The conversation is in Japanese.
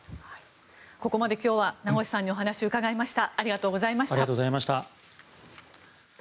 ここまで今日は名越さんにお話を伺いました。